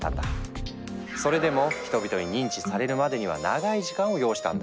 それでも人々に認知されるまでには長い時間を要したんだ。